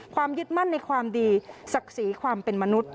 ยึดมั่นในความดีศักดิ์ศรีความเป็นมนุษย